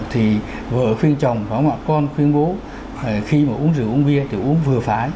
thì vợ khuyên chồng và con khuyên bố khi mà uống rượu uống bia thì uống vừa phải